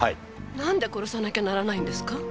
なんで殺さなきゃならないんですか